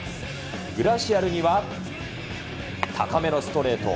グラシアルには、高めのストレート。